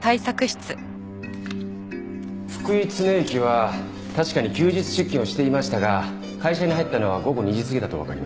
福井常之は確かに休日出勤をしていましたが会社に入ったのは午後２時過ぎだとわかりました。